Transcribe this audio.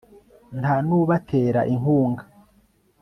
nta n'ubatera inkunga